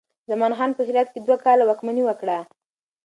زمان خان په هرات کې دوه کاله واکمني وکړه.